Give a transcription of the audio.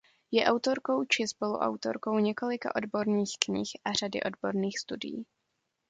Je autorkou či spoluautorkou několika odborných knih a řady odborných studií.